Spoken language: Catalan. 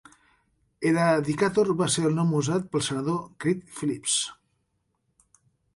Eradicator va ser el nom usat pel senador Creed Phillips.